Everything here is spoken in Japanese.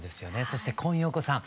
そして今陽子さん。